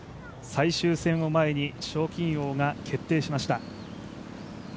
最終戦を前に賞金王が決定しました。